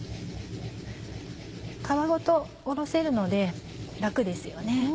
皮ごとおろせるので楽ですよね。